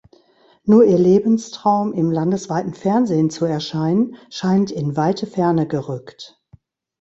Nur ihr Lebenstraum, im landesweiten Fernsehen zu erscheinen, scheint in weite Ferne gerückt.